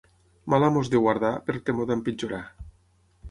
Mal amo has de guardar, per temor d'empitjorar.